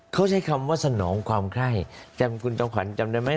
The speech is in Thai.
เขาใช้คำว่าสนองความไข้จำคุณจอมขวัญจำได้ไหม